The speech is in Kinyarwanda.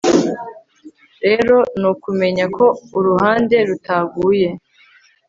rero n'ukumenya ko uruhande rutaguye